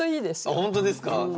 あっ本当ですか？